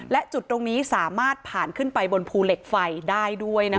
และจุดตรงนี้สามารถผ่านขึ้นไปบนภูเหล็กไฟได้ด้วยนะคะ